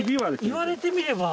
言われてみれば。